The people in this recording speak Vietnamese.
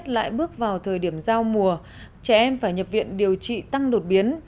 lại bước vào thời điểm giao mùa trẻ em phải nhập viện điều trị tăng đột biến